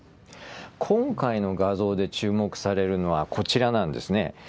今回の画像で注目されるのはこちらなんですね。